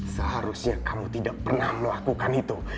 seharusnya kamu tidak pernah melakukan itu